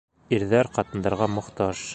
Ирҙәр ҡатындарға мохтаж